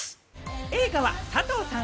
映画は佐藤さん